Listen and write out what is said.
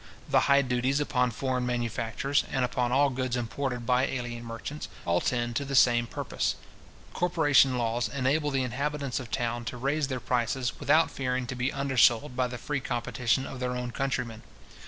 The high duties upon foreign manufactures, and upon all goods imported by alien merchants, all tend to the same purpose. Corporation laws enable the inhabitants of towns to raise their prices, without fearing to be undersold by the free competition of their own countrymen.